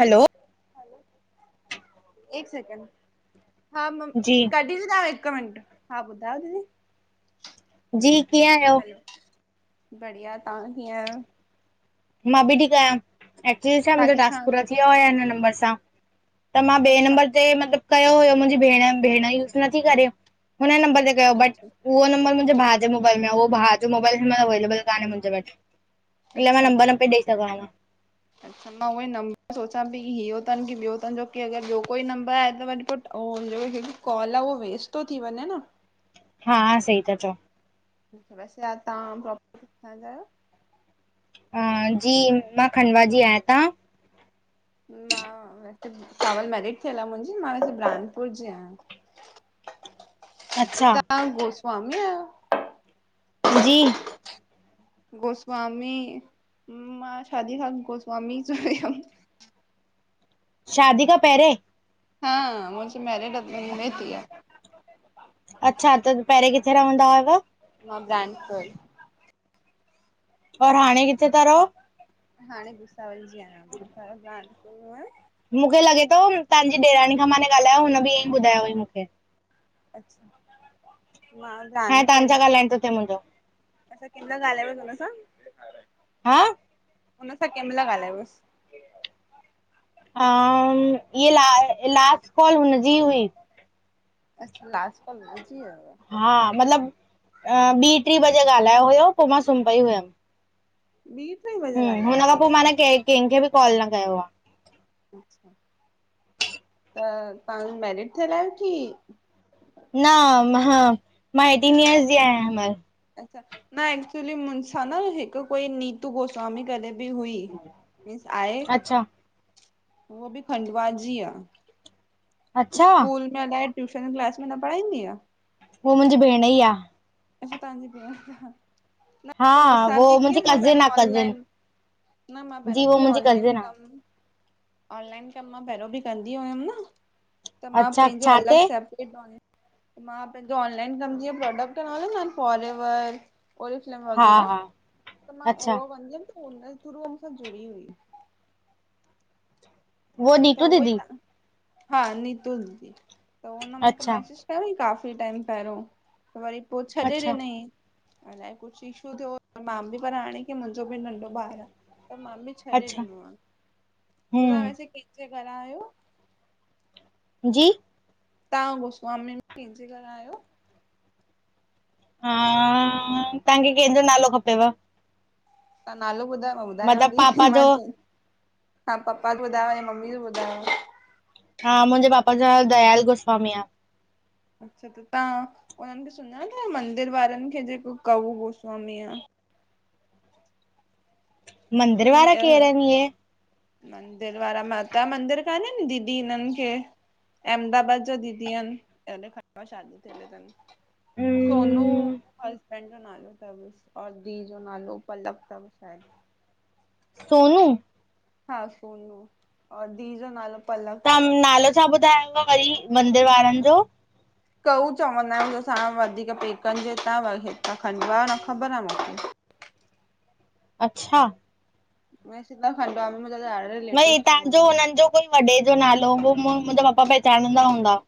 हलो। हिकु सेंकड जी हा हिकु मिट हा ॿुधायो दीदी [unintelligible] जी कीअं आयो? बढ़िया, तां कीअ आहियो? मां बि ठीकु आहियां, एटलीस्ट छा तव्हां मुंजो किथां टास्कु था पुरा थी विया हुया ॻाल्हायो हिन नंबर सां। त मां ॿिए अच्छा नंबर ते मतलबु कयो हुयो मुंहिंजी भेण भेण यूस नथी करे हुन नंबर ते कयो बट अच्छा उहो नबर मुंहिंजे भाउ जे मोबाइल में आ, उहो भाउ जो मोबाइल हिमल अवेलेबल कानहे मुंहिंजे वटि इन अच्छा लाइ न पइ ॾेई सघां। अच्छा मां उह ई नंबर सोचां पई की इहो तनि की ॿियो तनि जो की अगरि ॿियो कोई नंबर आहे त वरी पो अऊं जो कॉल आ उहो वेस्ट तो थी वञे न हा सही ता चओ। अच्छा तहां प्रोप किथां जा आहियो? हा, जी मां खंडवा जी आहियां ता? मां हिते भुसावल मेरिट थी हल आ मुंहिंजी, मां वेसे मां बुराहनपुर जी आहियां। तहां अच्छा गोस्वामी आहियो। जी। गोस्वामी मां शादीअ खां पो गोस्वामी च आयमि। शादी खां पंहिंरे? हा मुंहिंजी मैरिड अदर में थी आ। अच्छा त पहिंरे किथे रहंदा हुयव? मां बुराहनपुरु। और हाणे किथे तां रहो? हाणे भुसावल जी आहियां पहिले बुराहनपुरु हुयमि। मूंखे लॻे तो तांजी ॾेरानी खां मांने ॻाल्हायो हुन बि इअं ई ॿुधायो हुयईं मूंखे। अछा मां हाणे जानके तव्हांसां ॻाल्हाइण थो थिए मुंहिंजो अछा किन मल ॻालायवस हुन सां? हा, हुन सां कें मल ॻालायवस? अ इ ल लास्ट कॉल हुनजी हुई। अच्छा लास्ट काल हुनजी हुयव। हा, मतलब ॿीं ट्री बजे ॻाल्हायो हुयो पो मां सुम पई हुयम। [unintelligible] हम हुन खां पो मां ना बसि क केंखे बि कॉल न कयो आ। त तहां मैरिड थियल आयो की न मां एटीन ईयर्स जी खयां बस। अच्छा, न एक्चुली मूंसां न हिक कोई नीतू गोस्वामी करे बि हुई मीन्स आए। अच्छा उह बि खंडवा ज आ। अच्छा स्कूल अलाए, ट्यूशन क्लास में न पढ़ाईंदी आ। हो मुंजी भेण ई आ। अछा मांजी भेण आ। न हा मूसां वो बी मुंहिंजी कीअं मां कज़िन आहे पहिरे कज़िन ऑनलाइन न मां जी पेहरियों वो कीअं मुंहिंजी ऑनलाइन कज़िन कम आहे। ऑनलाइन कम मां पेहरो बि कंदी हुयम न, त मां अच्छा पैंजो छा अलॻ ते सेप त मां पैंजो ऑनलाइन कंदी‌ अम समझी [unintelligible] ओरिफिलेम हा वग़ैरह हा त मां अच्छा उहो कंदी हुअम, त उन थ्रू मूंसां जुड़ी हुई। वो त नीतू उहोई दीदी त हा नीतुल जी त उन मूंखे अच्छा मैसेज पेहिरे काफ़ी टाइम पेहरियों त वरी पो छॾे अच्छा ॾिनईं। अलाए, कुछ इशू थियो। मां बि पर हाणे की मुंजो बि नंढो ॿार आ। त मां बि छॾे अच्छा ॾिनो आ। त तहां हम्म वैेसे केंजे घरां आयो? जी तव्हां गोसवामी में केंजे घर आयो? अ तहांखे केंजो नालो खपेव। तहां नालो ॿुधायो, मां मतिलब ॿुधायांव ती पापा जो माचल हा पपा जो ॿुधायो ऐं या मम्मी जो ॿुधायो। हा, मुंजे पापा जो नालो दयाल गोस्वामी आ। अच्छा, त तहां हुनन खे सुञाणो मंदर वारन खे, जेको कऊ गोस्वामी आ। मंदर सुन वारा अ केर आहिनि इहे मंदर वारा, माता मंदिर कानन दीदी हिनन खे अहमदाबाद जो दीदी आहिन। जेने खंडवा शादी थियल तन। सोनू अम्म, अ पैंजो नालो तवस और धीउ जो नालो पलक तव शायद। सोनू हा सोनू और धीअ जो नालो पलक तव्हां तवस। नालो छा ॿुधायव वरी मंदर वारन जो। कऊ चवंदा आयूं असां वधीक पेकन जे हितां। हितां कांडला जो न ख़बर आ मूंखे। अच्छा में जिता खंडवा मां [unintelligible] न ई तांजो हुनन जो कोई वॾे जो नालो हूंदो। मुंजा पपा पहचानींदा हूंदा।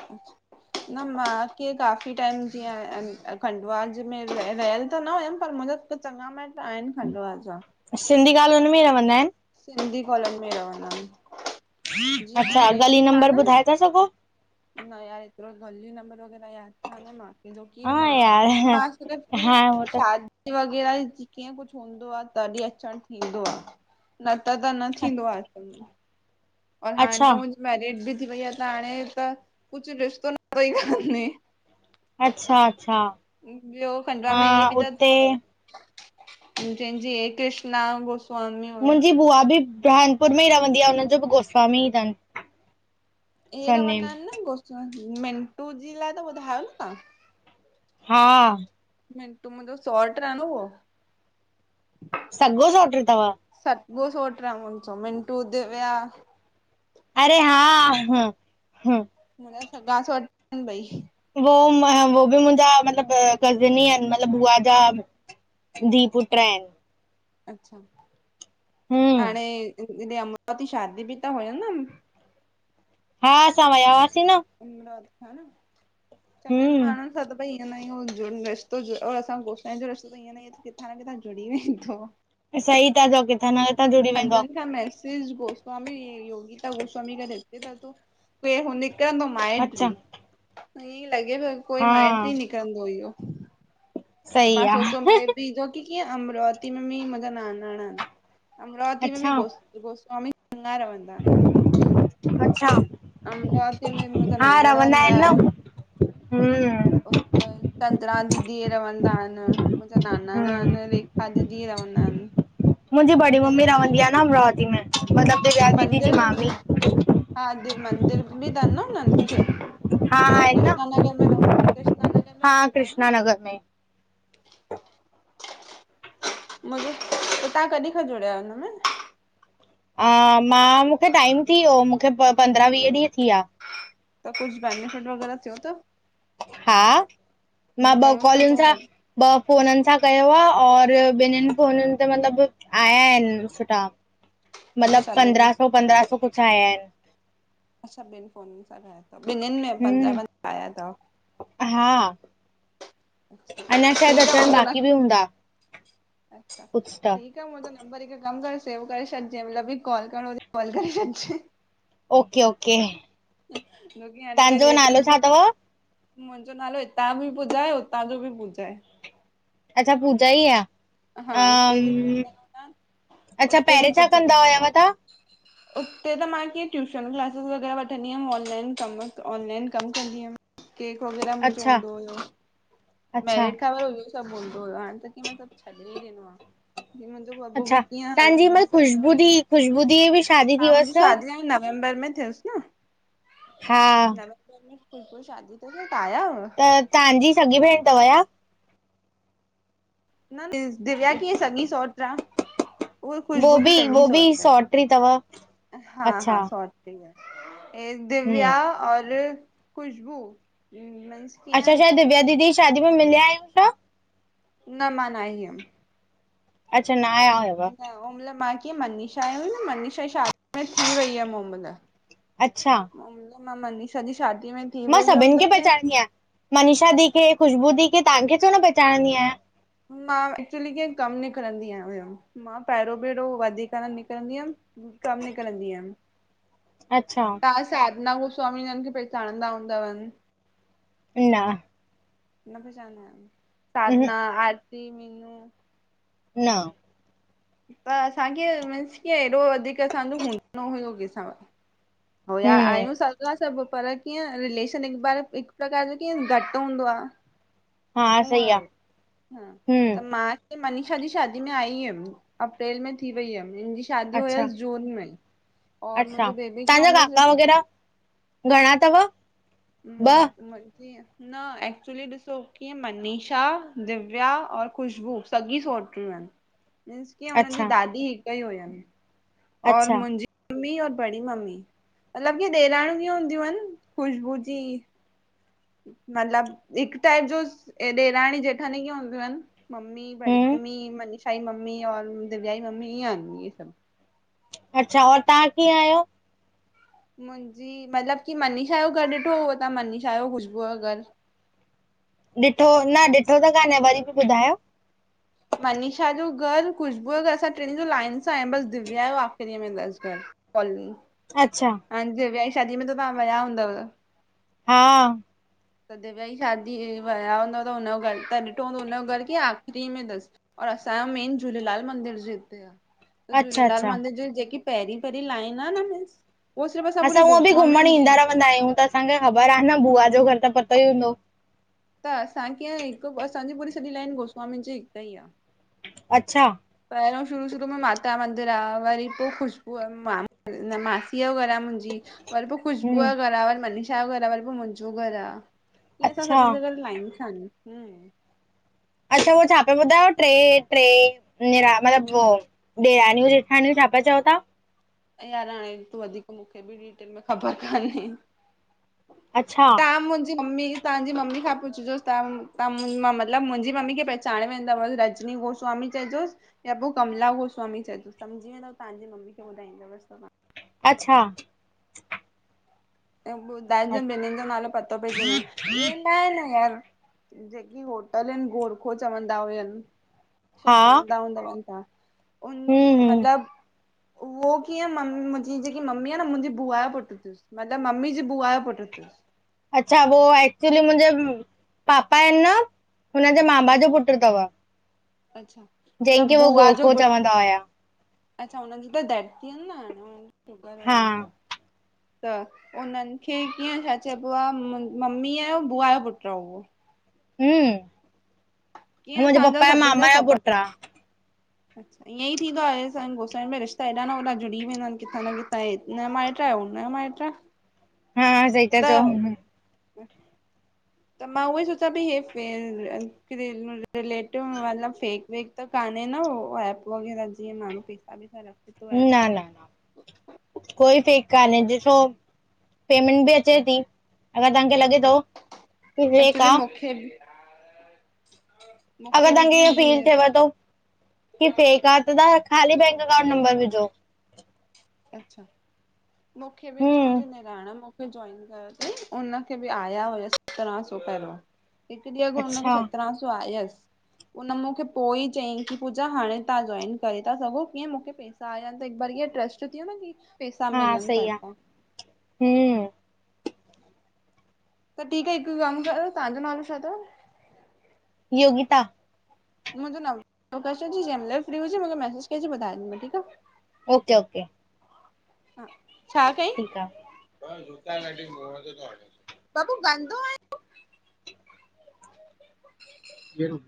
अच्छा। न मांंखे काफ़ी टाइम जीअं अखंडवाज में रहियल त न हुयमि पर मुंहिंजो त चङा माइट आहिनि खंडवा जा। सिंधी कॉलोनी में ई रवंदा आइनि? सिंधी कॉलोनी में रवंदा इन, अच्छा गली नंबर ॿुधाए ता सघो, न यार एतरो गल्ली नंबर वगैरह याद ह न मांखे जो की हा मां यार कीअ मां कीअं हा उहो त शाद वग़ैरह कीअं कुछ हूंदो आ तॾीं अचणु थींदो आ। न त त न थींदो आ, अचम में। और हाणे अच्छा त मुंहिंजी मेरिड बि थी वई आ त हाणे त कुछ रिश्तो न काने, अच्छा -अच्छा। ॿियो खंडवा अ में इये बि त उते अथव जंहिंजी हे कृष्णा गोस्वामी हुयो मुंहिंजी बुआ बि बुरहानपुर में ई रवंदी आ हुनन जो बि गोस्वामी तनि। इहे रवंदा आइनि न गोस्वामी, मिंटू जी लाइ त ॿुधायो न तां? हा। मिंटू मुंहिंजो सॉट्र आ न उहो। सॻो सोट्र तव? सॻो सोट्र आ मुंजो मिंटू, दिव्या। अरे हा- हं -हं मुंहिंजा सॻा सोट्र इन ॿई। वो बि मुंहिंजा मतलबु कज़िन ई आहिनि, मतिलबु बुआ जा धीअ पुट्र आइनि। अच्छा, हम्म हाणे हिॾे अमरावती शादी बि त हुयन न, हा, असां वया हा सीं न। इनमल हा न, चङनि माण्हुनि हम्म असां त भई ईंद न आहियूं जो रस्तो जो और असां गोसा जो रस्तो त ई [unintelligible] किथां न किथां जुड़ी वईंदो। सही ता चो कीथां न किथां जुड़ी वेंदो पंजन आहे खां मैस ॾिस गोस्वामी योगिता गोस्वामी करे अचे त तो। माइटी अच्छा ईअं लॻे तो हा कोई माइट ई निकिरंदो इहो। पर सही मां आहे सोचियो हे बि जो की किअंं अमरावती में भी मुहिंजा नानाणा अमरावती में भी अच्छा गोस्वामी सङार भंडार। [unintelligible] अच्छा! अमरावती में मुंजा नानाणा न्याय, हूंअं, चंदरा दीदी रवंदा इन मुंजा नानाणा हम्म इन वे अॼु ॾीअ रवंदा इन। मुंजी बड़ी मम्मी रवंदी आ न अमराती में, मतिलब मंदिर हा दिव मंदिर बि दन उननि खे? हा आहिनि न कृष्णानगर में रवनि कृष्णानगर में हा रवंदा इन कृष्णा न? नगर में मुंजो त तहां कॾी खां जुड़िया आहियो हिनमें? हा मां मुखे टाइम थीयो मुखे पंद्रां वीह ॾींहं थी विया। त कुझु बनिफिट वग़ैरह थियो तव? हा, मां ॿ घणो थियो कॉलुनि थो सां लॻे ॿ फ़ोननि सां कयो आ, और ॿिनिनि फ़ोननि ते मतिलब, आया आहिनि सुठा। असां मतिलबु ॿिनि पंद्रहां सौ पंद्रहां सौ कुछु आया आहिनि। ॿिनिनि में पंद्रहां हम्म पंद्रहां सौ आया तव। हा। [unintelligible] अञा शायदि अचनि बाक़ी बि हूंदा कुझु त ठीक आ मुंहिंजो नंबर, हिकु कम करे सेव करे छॾिजें, मतिलबु बि कॉल करणो हुजे कॉल करे छॾिजें। Okay okay. छोकी हंध ते तव्हांजो नालो लेटियुस बि छा अथव मुंहिंजो नालो हितां बि पूॼा ए, हुतां जो बि पूॼा ए। अच्छा, पूजा ई आ। हा हिते बि हम्, पुॼाए अच्छा, उते बि पहिरियोें छा कंदा पुॼाए हुयव तां? उते त मां कीअं ट्यूशन क्लासिस वग़ैरह वठंदी हुमि, ऑनाइन कम, ऑनाइन कम कंदी हमि। केक वग़ैरह मुंहिंजो अच्छा हूंदो हुयो, अच्छा मैरिड ख़बर हुयो। सभु बुलंदो हुयो आ, हाणे त ती मां सभु छॾी ही ॾिनो आ। मुंजो बबू बि अच्छा कीअं हाणे तव्हांजी ॿी हिनमल साले जो खुशबू दी नाहें, खुशबू दी जी बि शादी थी हा मुंहिंजी हुअसि शादी आई न नवंबर में थियसि न, हा नवंबर में शादी [unintelligible] आया हुयव? त तांजी सॻी भेण तव या? न, दिव्या कीअं संॻी सौटि आ। उहा वो ख़ुशबू बी बि सॻी वो बि सौट आ, सौट्री तव हा अच्छा हा सौट। ऐं हम्म दिव्या और खुशबू मीन्स अच्छा, कीअं छा दिव्या दीदी शादी में मिलिया आहियूं न? न, मां न आईयम। अच्छा, न आया हुयव। ओमल मां कीअं मनीषा आयऊ न मनीषा शादी में थी वई हुयमि ओमल। अच्छा। अऊं मां मनीषा ॼी शादीअ में थी मां वई हुयमि सभिनि खे त कीअं पहचाणंदी आहियां, मनीषा दी खे खुशबू दी खे तांखे छो न पहचाणंदी आहियां। मां एक्चुली कीअं कमु निकिरंदी आहियां हुयमि मां पहिरियों बहिरों वधीक न निकिरंदी हमि। कम निकरंदी हमि। अच्छा। तां साधना गोस्वामी जन खे पहिचाणंदा हूंदवन। ना। न पहिचानदी [unintelligible] न साधना आरती मीनू न। त असांखे मींस कीअं एॾो वधीक असांजो हूंदो हुयो केसां। हो, या हम्म आहियूं सॻा सभु पर कीअं रिलेशन हिक बार हिकु प्रकार जो कीअं घटि हूंदो आ। हा ऊंअ सही हो, आ हा त हम्म मां मनीषा जी शादी में आई यमि अप्रैल में थी वई यमि [unintelligible] शादी अच्छा हुयसि जून में और मुंहिंजो बेबी खे तांजा हुन महिल काका सिर्फ वग़ैरह घणा तव? म ॿ [unintelligible] न एक्चुली ॾिसो कीअं मनीषा दिव्या और खुशबू सॻी सोट्रियूं अनि। [inaudible] मींस कीयं हुन जी अच्छा दादी हिकु ई हुयनि और अच्छा मुंहिंजी मम्मी और बड़ी मम्मी मतिलबु कीअं ॾेराणीयूं हूंदियूं इन ख़ुशबू जी। मतिलबु हिकु टाइप जो ॾेराणी जेठानि इंय हूंदियूं आहिनि। मम्मी बड़ी हम्म मम्मी मनीषा जी मम्मी और दिव्या जी मम्मी ईंय हुदियूं इन सभु। अच्छा और तां कीअं आहियो? मुंहिंजी मतिलबु की मनीषा जो घर ॾिठो हुओ तव्हां मनीषा जो ख़ुशबूअ जो घर ॾिठो न ॾिठो त कान्हे वरी बि ॿुधायो। मनीषा जो घर, ख़ुशबूअ जो घर असां ट्रिन जो लाइन सां आहे बसि दिव्या जो आख़िरीअ मेंं तसि घर। कॉल मी। अच्छा हाणे दिव्या जी शादी में तां वया हूंदव? हा त दिव्या जी शादी वया हूंदव त हुनजो घर त ॾिठो हूंदो हुनजो घर कीअं आखिरी में तसि। और असांजो मेन झूलेलाल मंदिर जी हिते आ, त अच्छा झूलेलाल अच्छा मंदिर जी ॼेकी पहिरीं पहिरीं लाइन आ न मिस उहा सिर्फ़ु पूरी असां हूअ बि घुमण गोस्वामीनि जी ईंदा आहे रवंदा आहियूं। त असांखे ख़बर आ न बुआ जो घर त पतो ई हूंदो। त असां कीअं हिकु असांजी पूरी सॼी लाइन गोस्वामी जी हिकु ई आ। अच्छा पहिरों शुरू शुरू में माता जो मंदिर आ, वरी पो ख़ुशबू अ न मासीअ जो घर आ। जी। वरी पो ख़ुशबूअ हम्म जो घर आ, वरी मनीषा जो घर आ, वरी पो मुंहिंजो घर आ। इअं असां अच्छा सभिनि जा घर लाइन सां इन। हूं अच्छा उहो छा पा ॿुधायो, ट्रै ट्रै निरा मतिलबु वो? डेराणियूं जेठानियूं छा पा चओ तां? यार हाणे तूं वधीक मूंखे बि डिटेल में ख़बर कान्हे। अच्छा तां मुंहिंजी मम्मी तव्हांजी मम्मी खां पुछजोसि तां तां मां मतिलबु मुंहिंजी मम्मी खे पह चाणे वेंदवस रजनी गोस्वामी चहजोस या पो कमला गोस्वामी चइजोस समझी वें त तव्हांजी मम्मी खे ॿुधाईंदवस तहां। अछा एं ॿुधाए जो ॿिनीन जो नालो पतो पेजी वेंदन, इदाइन हर ॼेकी होटल हिनि गोरखो चवंदा हुयनि। हा सुञाणंदा हुदव तां, उन हम्म हम्म मतिलबु उहो कीअं ममी मुंहिंजी ॼेकी मम्मी आ न मुंहिंजी बुआ जो पुटु तीसि। मतिलबु मम्मी जी बुआयो पुट तसि। अच्छा वो एक्चुली मुंहिंजे पापा आहिनि न, हुनजे मामा जो पुटु तव। अछा जंहिंखे हो गोरखो चवंदा हुया। अच्छा हुननि जी त दट थीयनि न, शुगर हा हुयनि त। त उननि खे कीअं छा चइबो आ मु ममीय जो बुआ जो पुटु हो उवो। हूं, कीअं मुंहिंजे असांजा पपा ऐं सभिनि जा मामा जो ख़बर पुटु आ अच्छा इअं ई थींदो आहे संग गोसाइ में रिश्ता हेॾा न होॾा जुड़ी वेंदा आहिनि किथां न किथां ऐं हिनयो माइट आ, हुनयो माईट आ। हा हा सई। त त मां उहो ही सोचा पई हे रिलेटिव मतलब फेक वेक। त कान्हे न उहो एप वग़ैरह जीअं माण्हू पैसा बि ता रख न -न कोई फेक कान्हे ॾिसो पेमेंट बि अचे थी अगर तव्हांखे लॻे अच्छा थो की पेट आ [unintelligible] अगर तव्हांखे कीअं इहो फील मुंहिंजी थियव थो की फेक आ, त तव्हां खाली बैंक अकाउंट नंबर विझो। अच्छा, मूंखे बि किअं हम्म मुंहिंजी निणान मो जॉइन कयो तई उनखे बि आया हुयस सत्रहां सौ पहिरियों। हिकु ॾींहं अॻु हुनखे अच्छा सत्रहां सौ आयसि। उन मूंखे पो ई चयईं की पूजा हाणे तव्हां जॉइन करे था सघो कीअं मूंखे पैसा आया त हिक बार हीअं ट्रस्ट थी वयो न कि पैसा हा मिलन ता सही आ हितां। हम्म। त ठीक आह हिक कम कयो तव्हांजो नालो छा तव? योगिता। मुंहिंजो नंबर ज फ्र हुजे म मूंखे मैसज कजे ॿुधाऐ ज ठीक आ। ओके ओके हा छा कई। ठीक आ। [unintelligible] [inaudible] [unintelligible]